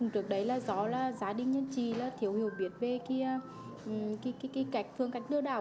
trước đấy là gió là giá đinh nhân trì là thiếu hiểu biết về cái phương cách lừa đảo